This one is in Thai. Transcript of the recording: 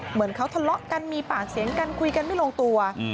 เหมือนเขาทะเลาะกันมีปากเสียงกันคุยกันไม่ลงตัว